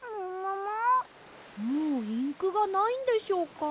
もうインクがないんでしょうか？